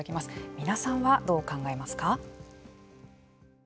皆さんはどう考えますか。